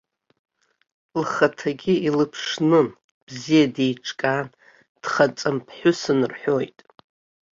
Лхаҭагьы илыԥшнын, бзиа деиҿкаан, дхаҵамԥҳәысын рҳәоит.